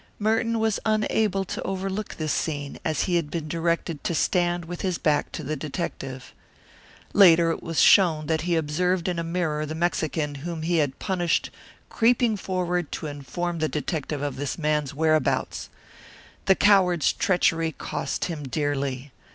Merton was unable to overlook this scene, as he had been directed to stand with his back to the detective. Later it was shown that he observed in a mirror the Mexican whom he had punished creeping forward to inform the detective of his man's whereabouts. The coward's treachery cost him dearly.